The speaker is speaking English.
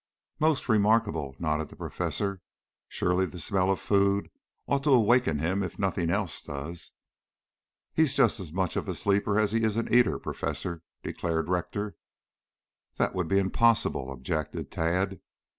"Most remarkable," nodded the professor. "Surely the smell of food ought to awaken him if nothing else does." "He's just as much of a sleeper as he is an eater, Professor," declared Rector. "That would be impossible," objected Tad.